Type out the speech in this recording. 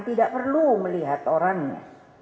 tidak perlu melihat orangnya